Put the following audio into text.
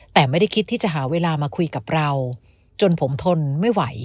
แต่ไม่ได้คิดที่จะหาเวลามาคุยกับเราจนผมทนไม่ไหว